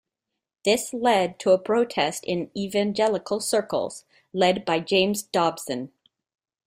This led to a protest in evangelical circles, led by James Dobson.